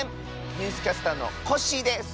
ニュースキャスターのコッシーです。